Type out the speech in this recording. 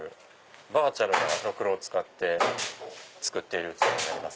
バーチャルなろくろを使って作っている器になります。